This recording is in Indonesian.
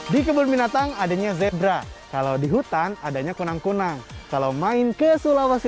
di kebun binatang adanya zebra kalau di hutan adanya kunang kunang kalau main ke sulawesi